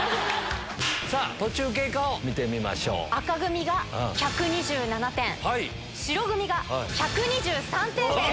さあ、途中経過を見てみまし紅組が１２７点、白組が１２３点です。